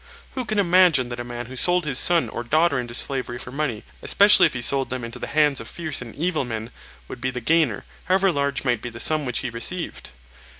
Who can imagine that a man who sold his son or daughter into slavery for money, especially if he sold them into the hands of fierce and evil men, would be the gainer, however large might be the sum which he received?